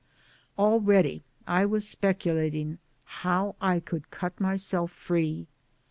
Already I was speculating how I could cut myself free.